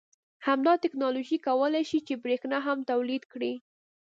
همدا تکنالوژي کولای شي چې بریښنا هم تولید کړي